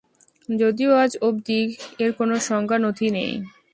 যদিও আজ অব্দি এর কোনো সংজ্ঞা নথি নেই।